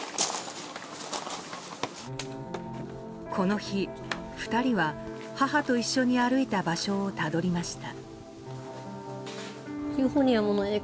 この日２人は、母と一緒に歩いた場所をたどりました。